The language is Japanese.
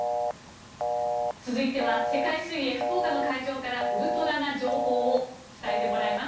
続いては世界水泳福岡の会場からウルトラな情報を伝えてもらいます。